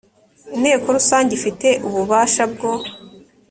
inteko rusange ifite ububasha bwo